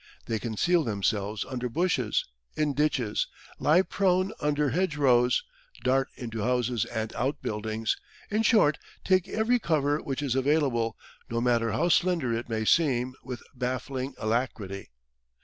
They conceal themselves under bushes, in ditches, lie prone under hedgerows, dart into houses and outbuildings in short, take every cover which is available, no matter how slender it may seem, with baffling alacrity.